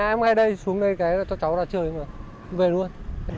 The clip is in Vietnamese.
em ngay đây xuống đây cái cho cháu ra chơi mà về luôn